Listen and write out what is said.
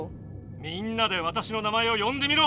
みんなでわたしの名前をよんでみろ！